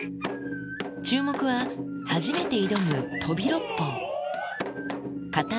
注目は初めて挑む飛び六方。